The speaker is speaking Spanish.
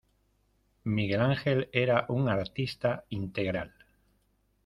Miguel Ángel era un artista integral.